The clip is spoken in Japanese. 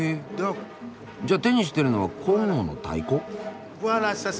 じゃあ手にしてるのはコンゴの太鼓？